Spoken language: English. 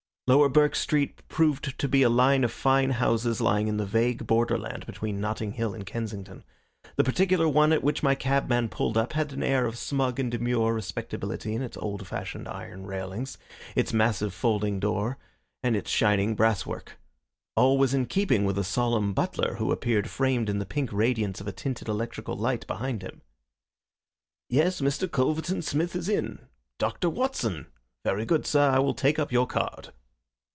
Lower Burke Street proved to be a line of fine houses lying in the vague borderland between Notting Hill and Kensington. The particular one at which my cabman pulled up had an air of smug and demure respectability in its old fashioned iron railings, its massive folding door, and its shining brasswork. All was in keeping with a solemn butler who appeared framed in the pink radiance of a tinted electrical light behind him. "Yes, Mr. Culverton Smith is in. Dr. Watson! Very good, sir, I will take up your card."